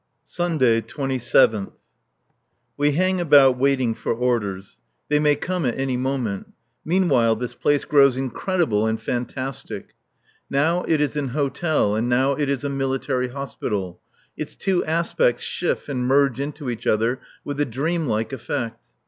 [Sunday, 27th.] We hang about waiting for orders. They may come at any moment. Meanwhile this place grows incredible and fantastic. Now it is an hotel and now it is a military hospital; its two aspects shift and merge into each other with a dream like effect.